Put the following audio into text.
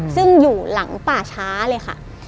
ซึ่งอยู่หลังป่าช้าเลยค่ะ